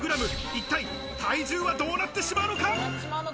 一体、体重はどうなってしまうのか？